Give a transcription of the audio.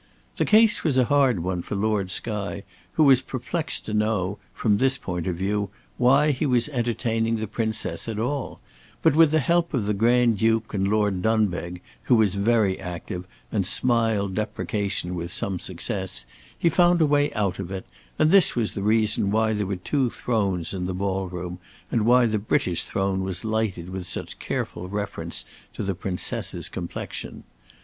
The case was a hard one for Lord Skye, who was perplexed to know, from this point of view, why he was entertaining the Princess at all; but, with the help of the Grand Duke and Lord Dunbeg, who was very active and smiled deprecation with some success, he found a way out of it; and this was the reason why there were two thrones in the ball room, and why the British throne was lighted with such careful reference to the Princess's complexion.